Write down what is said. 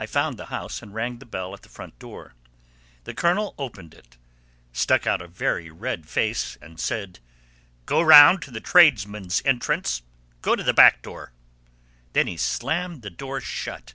I found the house and rang the bell at the front door. The Colonel opened it, stuck out a very red face and said, "Go round to the tradesmen's entrance—go to the back door." Then he slammed the door shut.